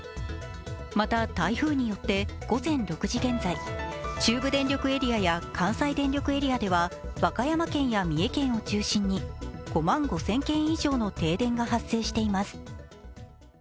また、台風によって午前６時現在中部電力エリアや関西電力エリアでは和歌山県や三重県を中心に５万５０００軒以上の停電が発生しています。